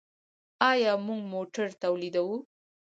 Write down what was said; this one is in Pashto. آیا موږ موټر تولیدوو؟